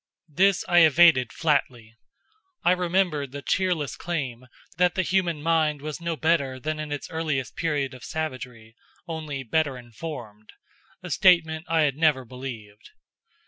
This I evaded flatly. I remembered the cheerless claim that the human mind was no better than in its earliest period of savagery, only better informed a statement I had never believed.